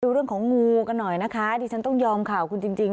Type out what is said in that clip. ดูเรื่องของงูกันหน่อยนะคะดิฉันต้องยอมข่าวคุณจริงจริง